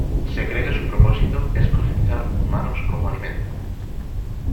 Se cree que su propósito es cosechar humanos como alimento.